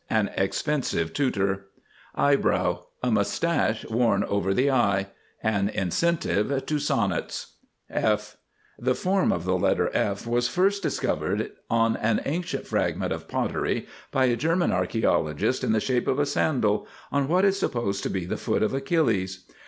An expensive tutor. EYEBROW. A mustache worn over the eye. An incentive to sonnets. F [Illustration: F] The form of the letter F was first discovered on an ancient fragment of pottery by a German archæologist, in the shape of a sandal on what is supposed to be the foot of Achilles.